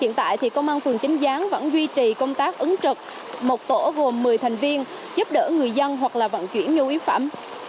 hiện tại thì công an phường chính gián vẫn duy trì công tác ứng trực một tổ gồm một mươi thành viên giúp đỡ người dân hoặc là vận chuyển nhu yếu phẩm